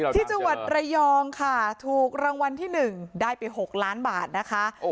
ที่จังหวัดระยองค่ะถูกรางวัลที่๑ได้ไป๖ล้านบาทนะคะ